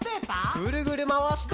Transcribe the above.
ぐるぐるまわして。